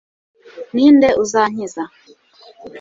ni nde uzankiza